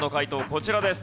こちらです。